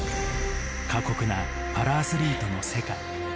過酷なパラアスリートの世界。